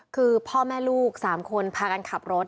คือพ่อแม่ลูก๓คนพากันขับรถ